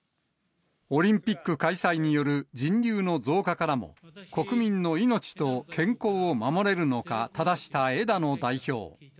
オリンピック開催による人流の増加からも、国民の命と健康を守れるのか、ただした枝野代表。